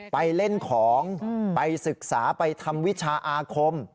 ไปเล่นของไปศึกษาไปทำวิชาอาคม